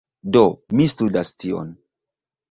Do, mi studas tion